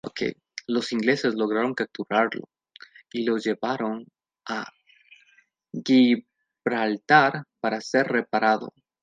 Los ingleses lograron capturarlo y lo llevaron a Gibraltar para ser reparado.